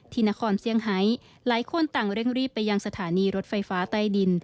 นครเซี่ยงไฮหลายคนต่างเร่งรีบไปยังสถานีรถไฟฟ้าใต้ดิน